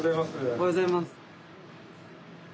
おはようございます。